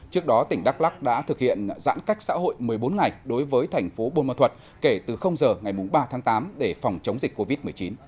trước đó tỉnh đắk lắc đã thực hiện giãn cách xã hội một mươi bốn ngày đối với thành phố bôn ma thuật kể từ giờ ngày ba tháng tám để phòng chống dịch covid một mươi chín